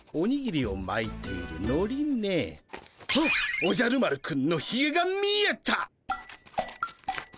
おじゃる丸くんのひげが見えたっ！